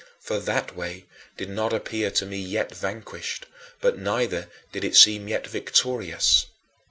For that way did not appear to me yet vanquished; but neither did it seem yet victorious.